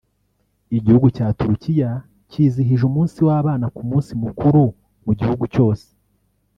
Igihugu cya Turukiya cyizihije umunsi w’abana nk’umunsi mukuru mu gihugu cyose